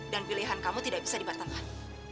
dan pilihan kamu tidak bisa dibatalkan